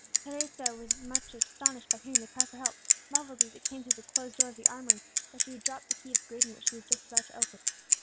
Teresa was so much astonished by hearing the cry for help, muffled as it came through the closed door of the armoury, that she dropped the key of the grating, which she was just about to open.